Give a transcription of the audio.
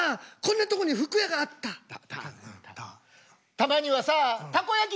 たまにはさたこ焼き